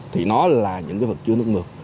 thì nó là những cái vật chứa nước mưa